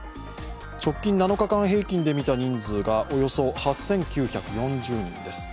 直近７日間平均で見た人数がおよそ８９４０人です。